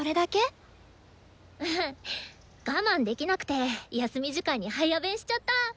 我慢できなくて休み時間に早弁しちゃった。